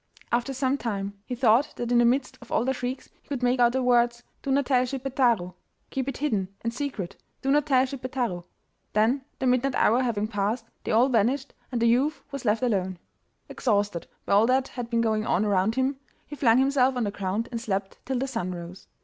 After some time he thought that in the midst of all their shrieks he could make out the words, 'Do not tell Schippeitaro! Keep it hidden and secret! Do not tell Schippeitaro!' Then, the midnight hour having passed, they all vanished, and the youth was left alone. Exhausted by all that had been going on round him, he flung himself on the ground and slept till the sun rose.